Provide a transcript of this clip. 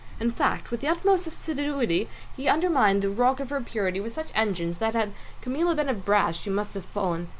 In fact with the utmost assiduity he undermined the rock of her purity with such engines that had Camilla been of brass she must have fallen.